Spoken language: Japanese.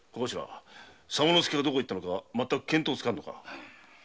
左馬助がどこに行ったのか見当がつかぬのか？